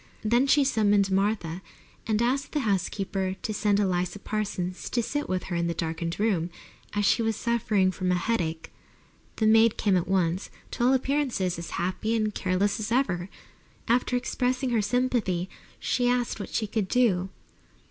Then she summoned Martha and asked the housekeeper to send Eliza Parsons to sit with her in the darkened room, as she was suffering from a headache. The maid came at once, to all appearances, as happy and careless as ever. After expressing her sympathy she asked what she could do.